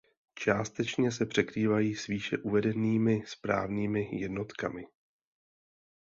Částečně se překrývají s výše uvedenými správními jednotkami.